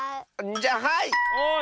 じゃあはい！